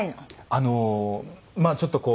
あのまあちょっとこう。